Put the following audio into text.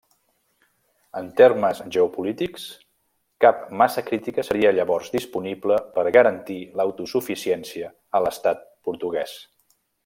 En termes geopolítics, cap massa crítica seria llavors disponible per garantir l'autosuficiència a l'Estat portuguès.